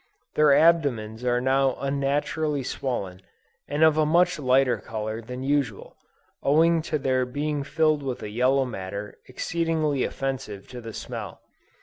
Their abdomens are now unnaturally swollen, and of a much lighter color than usual, owing to their being filled with a yellow matter exceedingly offensive to the smell.